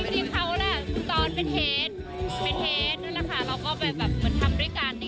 เราก็แบบทำด้วยกัน